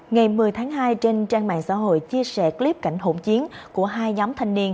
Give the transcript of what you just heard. ngày một mươi tháng hai trên trang mạng xã hội chia sẻ clip cảnh hỗn chiến của hai nhóm thanh niên